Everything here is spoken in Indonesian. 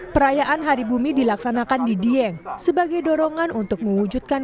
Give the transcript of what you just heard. perayaan hari bumi dilaksanakan di dieng sebagai dorongan untuk mewujudkan